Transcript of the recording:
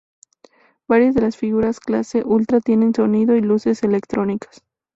Varias de las figures clase Ultra tienen sonidos y luces electrónicas.